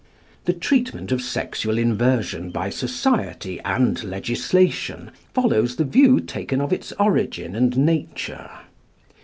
The treatment of sexual inversion by society and legislation follows the view taken of its origin and nature.